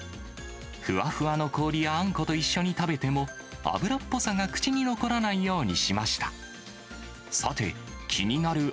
ふわふわの氷やあんこと一緒に食べても、油っぽさが口に残らないようにしました。